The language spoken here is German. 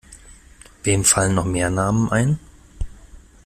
Wem fallen noch mehr Namen ein?